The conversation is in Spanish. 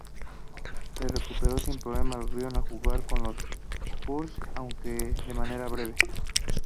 Se recuperó sin problemas, volviendo a jugar con los Spurs, aunque de manera breve.